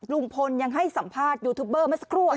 ลุงพลยังให้สัมภาษณ์ยูทูบเบอร์เมื่อสักครู่